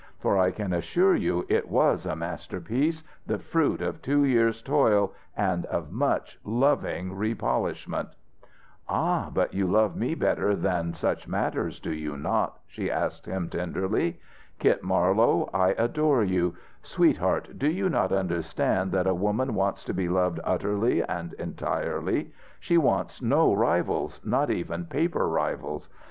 For I can assure you it was a masterpiece, the fruit of two years' toil and of much loving repolishment " "Ah, but you love me better than such matters, do you not?" she asked him, tenderly. "Kit Marlowe, I adore you! Sweetheart, do you not understand that a woman wants to be loved utterly and entirely? She wants no rivals, not even paper rivals.